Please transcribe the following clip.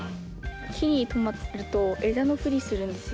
木に留まっていると枝のふりするんですよ。